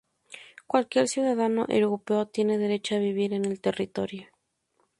Cualquier ciudadano europeo tiene derecho a vivir en el territorio.